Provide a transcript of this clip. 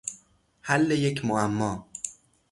حل یک معما